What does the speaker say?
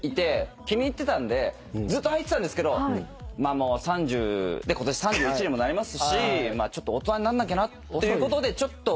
気に入ってたんでずっとはいてたんですけどもう３０で今年３１にもなりますし大人になんなきゃなっていうことでちょっとまあ。